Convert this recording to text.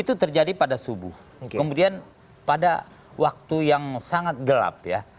itu terjadi pada subuh kemudian pada waktu yang sangat gelap ya